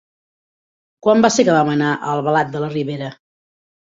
Quan va ser que vam anar a Albalat de la Ribera?